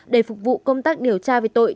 để phục vụ công tác điều tra về tội